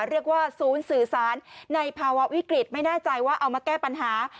เรียกว่าศูนย์สื่อสารในภาวะวิกฤตไม่แน่ใจว่าเอามาแก้ปัญหา